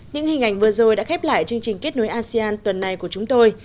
những hình ảnh vừa rồi đã khép lại chương trình kết nối asean tuần này của chúng tôi